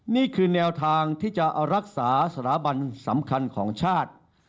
นี่คือแนวทางที่จะรักษาสถาบันสำคัญของชาติ